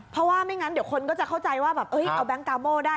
เพราะว่าไม่งั้นเขาจะเข้าใจว่าเอาแบงก์กามโม่ได้